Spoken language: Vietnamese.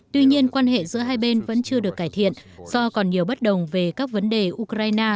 tuy nhiên quan hệ giữa hai bên vẫn chưa được cải thiện do còn nhiều bất đồng về các vấn đề ukraine